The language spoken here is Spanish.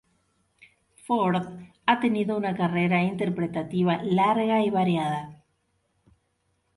Ford ha tenido una carrera interpretativa larga y variada.